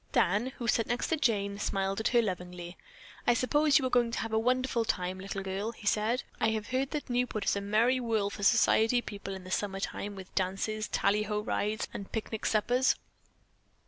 Dan, who sat next to Jane, smiled at her lovingly. "I suppose you are going to have a wonderful time, little girl," he said. "I have heard that Newport is a merry whirl for society people in the summer time, with dances, tallyho rides, and picnic suppers."